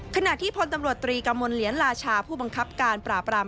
ขณะที่พลตำรวจตรีกระมวลเหรียญราชาผู้บังคับการปราบราม